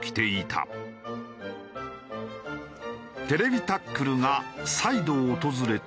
『ＴＶタックル』が再度訪れてみると。